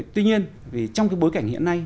tuy nhiên trong cái bối cảnh hiện nay